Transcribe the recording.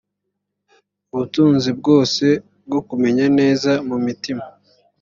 ubutunzi bwose bwo kumenya neza mu mitima